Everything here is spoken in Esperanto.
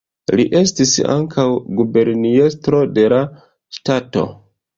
Li estis ankaŭ guberniestro de la ŝtato.